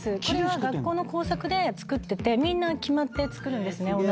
これは学校の工作で作っててみんな決まって作るんですね